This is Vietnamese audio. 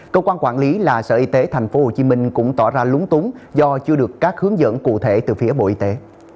cơ quan quản lý là sở y tế tp hcm cũng tỏ ra lúng túng do chưa được các hướng dẫn cụ thể từ phía bộ y tế